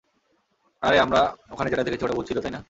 আরে, আমরা ওখানে যেটা দেখেছি ওটা ভূত ছিল, তাই না?